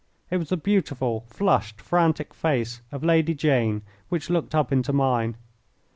It was the beautiful, flushed, frantic face of Lady Jane which looked up into mine.